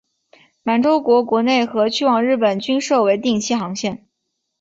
满洲国国内和去往日本均设为定期航线。